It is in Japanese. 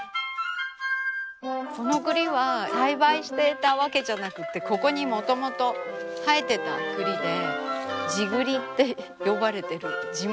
この栗は栽培してたわけじゃなくてここにもともと生えてた栗で「地栗」って呼ばれてる地元の栗。